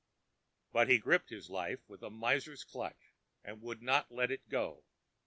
But he gripped his life with a miser's clutch and would not let it go.